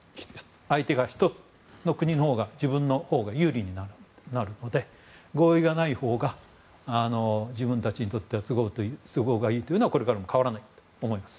相手が１つの国のほうが自分のほうが有利になるので合意がないほうが自分たちにとっては都合がいいというのはこれからも変わらないと思います。